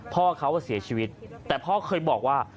พ่อเขาเสียชีวิตแต่พ่อเคยบอกว่า